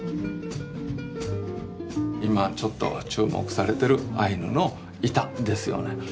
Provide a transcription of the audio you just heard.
今ちょっと注目されてるアイヌの板ですよね。